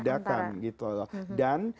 beda kan dan